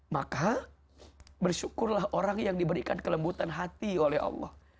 maka bersyukurlah orang yang diberikan kelembutan hati oleh allah